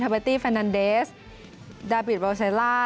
ฮาเบอร์ตี้เฟนันเดสดาวิทบอลเซลล่า